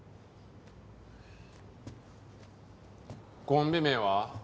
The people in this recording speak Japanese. コンビ名は？